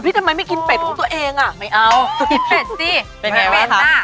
อภิตทำไมไม่กินเป็ดของตัวเองอะไม่เอาเป็ดสิเป็ดหน้าเป็นไงวะคะ